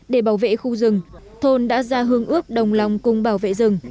để bảo vệ khu rừng thôn đã ra hương ước đồng lòng cùng bảo vệ rừng